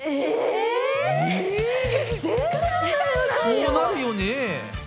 そうなるよね。